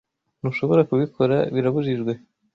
Ntushobora kubikora. Birabujijwe.